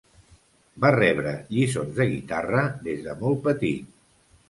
Va rebre lliçons de guitarra des de molt petit.